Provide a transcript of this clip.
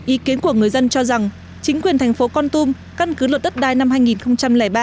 ý kiến của người dân cho rằng chính quyền thành phố con tum căn cứ luật đất đai năm hai nghìn ba